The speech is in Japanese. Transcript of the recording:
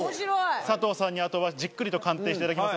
佐藤さんにあとはじっくりと鑑定していただきます。